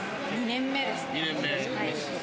２年目ですね。